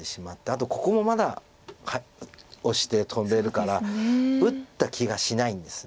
あとここもまだオシてトンでるから打った気がしないんです。